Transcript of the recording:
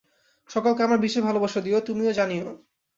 সকলকে আমার বিশেষ ভালবাসা দিও, তুমিও জানিও।